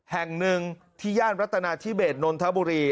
แห่งหนึ่งที่ย่านรัฐนาธิเบสนนทบุรี